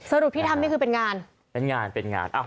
ที่ทำนี่คือเป็นงานเป็นงานเป็นงานอ้าว